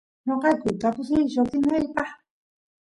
noqayku tapusuysh lloksinapaq